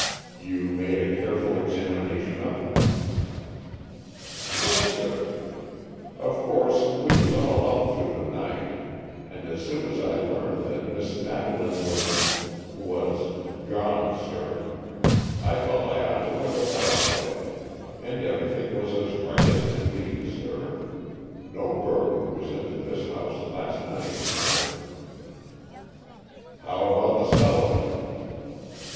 "You made a careful examination of them?" "Yes, sir. Of course we was all up through the night, and as soon as I learned that Miss Madeleine was—was gone, sir, I felt I ought to look about a bit. And everything was as right as could be, sir. No burglar was into this house last night, sir." "How about the cellar?"